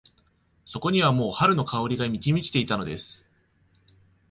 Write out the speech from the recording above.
そこにはもう春の香りが満ち満ちていたのです。